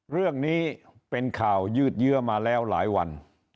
เรื่องนี้เป็นข่าวยืดเยื้อมาแล้วหลายวัน